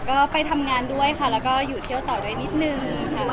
ก็ไปทำงานด้วยค่ะแล้วก็อยู่เที่ยวต่อด้วยนิดนึงค่ะ